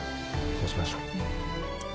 そうしましょう。